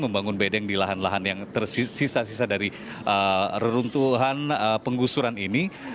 membangun bedeng di lahan lahan yang tersisa sisa dari reruntuhan penggusuran ini